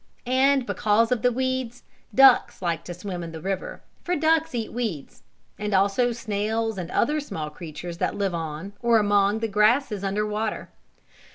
And, because of the weeds, ducks liked to swim in the river, for ducks eat weeds, and also snails and other small creatures that live on, or among, the grasses under water.